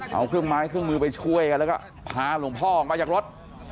เอาเครื่องไม้เครื่องมือไปช่วยกันแล้วก็พาหลวงพ่อออกมาจากรถ